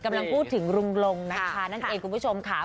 กำลังพูดถึงลุงลงนะคะนั่นเองคุณผู้ชมค่ะ